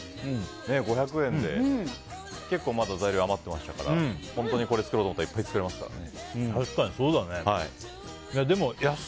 ５００円で結構まだ材料余ってましたから本当にこれを作ろうと思ったらいっぱい作れますからね。